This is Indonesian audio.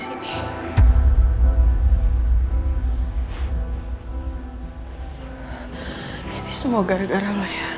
ini semua gara gara